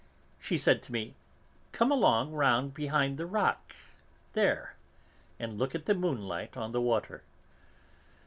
She said to me, 'Come along round behind the rock, there, and look at the moonlight on the water!'